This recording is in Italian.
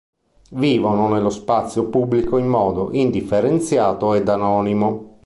Vivono nello spazio pubblico in modo indifferenziato ed anonimo.